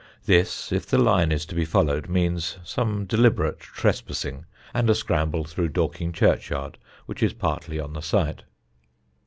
This, if the line is to be followed, means some deliberate trespassing and a scramble through Dorking churchyard, which is partly on the site.